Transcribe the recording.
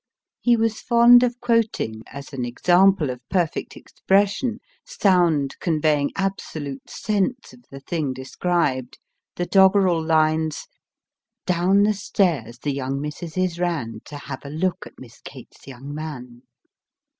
He was fond of 288 MY FIRST BOOK quoting, as an example of perfect expression, sound conveying absolute sense of the thing described, the doggrel lines Down the stairs the young missises ran To have a look at Miss Kate s young man